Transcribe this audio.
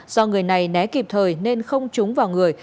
do người này né kịp thời nên không trúng vào người